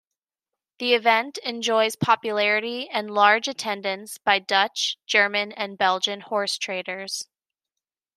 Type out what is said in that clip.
The event enjoys popularity and large attendance by Dutch, German and Belgian horsetraders.